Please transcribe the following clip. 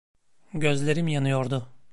Gözlerim yanıyordu.